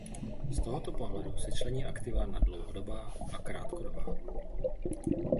Z tohoto pohledu se člení aktiva na dlouhodobá a krátkodobá.